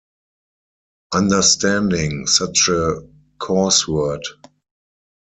‘Understanding!’ such a coarse word!